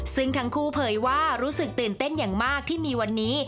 ซึ่งทั้งคู่เผยว่ารู้สึกตื่นเต้นอย่างมากที่มีวันนี้